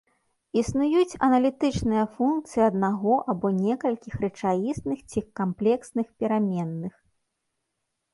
Існуюць аналітычныя функцыі аднаго або некалькіх рэчаісных ці камплексных пераменных.